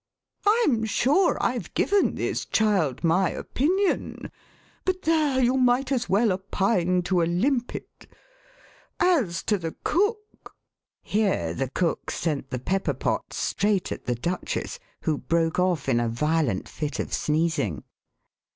19 The Westminster Alice I'm sure I've given this child my Opinion — but there, you might as well opine to a limpet. As to the cook " Here the cook sent the pepper pot straight at the Duchess, who broke off in a violent fit of sneezing.